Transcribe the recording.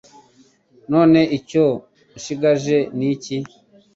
«None icyo nshigaje ni iki ?»